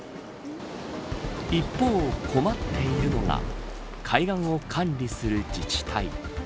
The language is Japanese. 一方、困っているのが海岸を管理する自治体。